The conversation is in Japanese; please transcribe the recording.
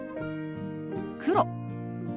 「黒」。